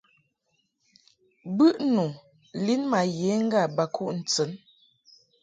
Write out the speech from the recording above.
Bɨʼnu lin ma ye ŋga ba kuʼ ntɨn.